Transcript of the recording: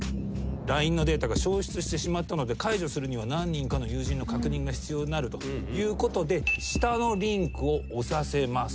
ＬＩＮＥのデータが消失してしまったので解除するには何人かの友人の確認が必要になるということで下のリンクを押させます。